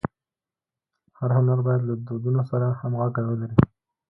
هر هنر باید له دودونو سره همږغي ولري.